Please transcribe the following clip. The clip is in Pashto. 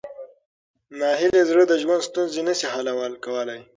ناهیلي زړه د ژوند ستونزې نه شي حل کولی.